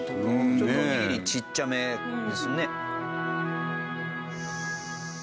ちょっとおにぎりちっちゃめですね。